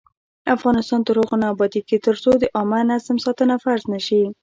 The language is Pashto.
افغانستان تر هغو نه ابادیږي، ترڅو د عامه نظم ساتنه فرض نشي.